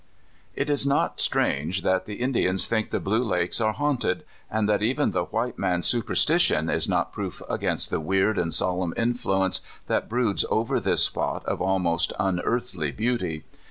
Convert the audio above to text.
n j1?|T is not strange that the Indians think the /} mlC ^^^^^ Lakes are haunted, and that even the ^W^ white mail's superstition is not proof against the weird and solemn influence that broods over this spot of almost unearthly beauty.